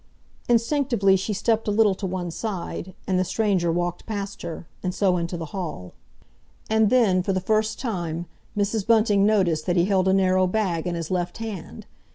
Instinctively she stepped a little to one side, and the stranger walked past her, and so into the hall. And then, for the first time, Mrs. Bunting noticed that he held a narrow bag in his left hand.